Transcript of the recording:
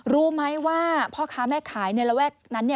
รู้ไหมว่าพ่อค้าแม่ขายในระแวกนั้น